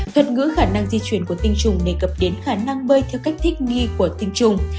thuật ngữ khả năng di chuyển của tinh trùng đề cập đến khả năng bơi theo cách thích nghi của tinh trùng